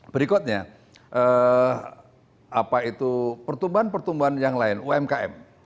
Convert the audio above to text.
berikutnya apa itu pertumbuhan pertumbuhan yang lain umkm